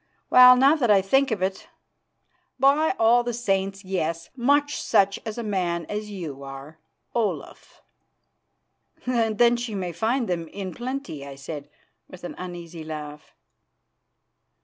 Well, now that I think of it, by all the Saints! yes, much such a man as you are, Olaf." "Then she may find them in plenty," I said, with an uneasy laugh.